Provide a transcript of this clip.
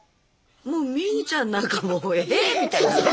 もうミホちゃんなんかもう「え⁉」みたいな。